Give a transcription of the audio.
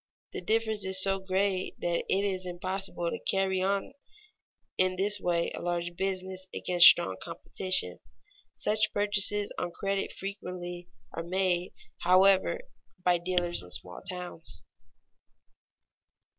The difference is so great that it is impossible to carry on in this way a large business against strong competition. Such purchases on credit frequently are made, however, by dealers in small towns.